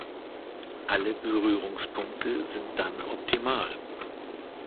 Alle Berührungspunkte sind dann optimal.